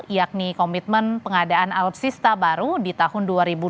yakni komitmen pengadaan alutsista baru di tahun dua ribu dua puluh